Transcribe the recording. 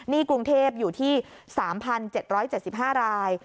นี่กรุงเทพอยู่ที่๓๗๗๕ราย